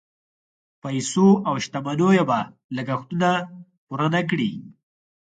پیسو او شتمنیو به لګښتونه پوره نه کړي.